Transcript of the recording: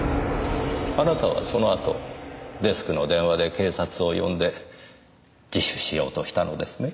あなたはその後デスクの電話で警察を呼んで自首しようとしたのですね？